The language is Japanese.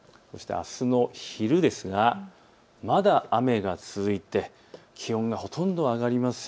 あすの昼ですがまだ雨が続いて気温がほとんど上がりません。